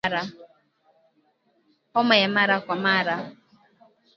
Homa ya mara kwa mara